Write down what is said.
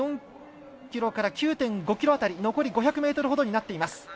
９．４ｋｍから９．５ｋｍ辺り残り５００ｍほどになっています。